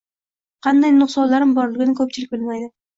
Qanday nuqsonlarim borligini koʻpchilik bilmaydi